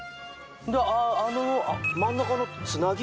であの真ん中のってつなぎ？